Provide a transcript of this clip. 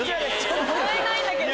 ⁉使えないんだけど。